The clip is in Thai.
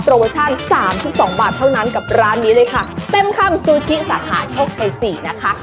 โปรโปรชั่น๓๒บาทเท่านั้นกับร้านนี้เลยค่ะเต็มคำซูชิสาขาชกชัย๔นะคะ